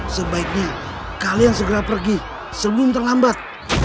sebaiknya kalian segera pergi sebelum terlambat